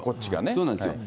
そうなんですよ。